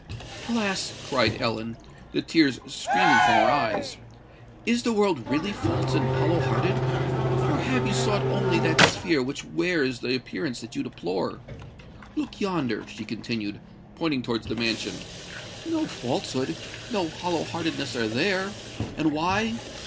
"Alas!" cried Ellen, the tears streaming from her eyes: "is the world really false and hollow hearted? or have you sought only that sphere which wears the appearance that you deplore? Look yonder," she continued, pointing towards the mansion; "no falsehood—no hollow heartedness are there! And why?